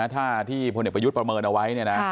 ถ้าที่พ่อเน็ตประยุทธ์ประเมินเอาไว้